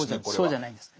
そうじゃないんです。